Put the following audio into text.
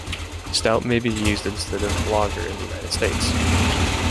Stout may be used instead of lager in the United States.